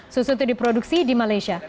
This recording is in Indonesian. susu itu diproduksi di malaysia